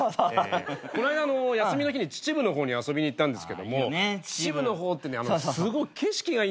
この間の休みの日に秩父の方に遊びにいったんですけども秩父の方ってすごい景色がいいんですよね。